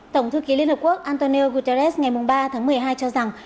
tổng thư ký liên hợp quốc antonio guterres ngày ba tháng một mươi hai cho rằng